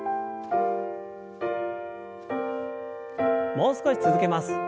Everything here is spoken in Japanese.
もう少し続けます。